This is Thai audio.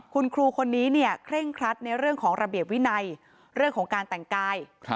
คุณครูคนนี้เนี่ยเคร่งครัดในเรื่องของระเบียบวินัยเรื่องของการแต่งกาย